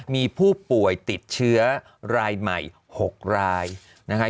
มีผู้ป่วยติดเชื้อรายใหม่๖รายนะคะ